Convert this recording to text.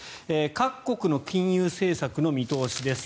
各国の金融政策の見通しです。